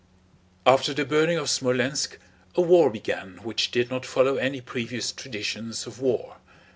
After the burning of Smolénsk a war began which did not follow any previous traditions of war.